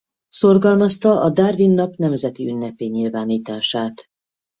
Szorgalmazta a Darwin-nap nemzeti ünneppé nyilvánítását.